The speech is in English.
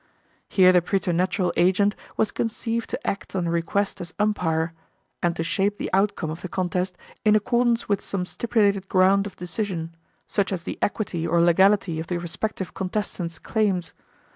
Here the preternatural agent was conceived to act on request as umpire, and to shape the outcome of the contest in accordance with some stipulated ground of decision, such as the equity or legality of the respective contestants' claims.